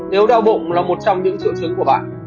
nếu đau bụng là một trong những triệu chứng của bạn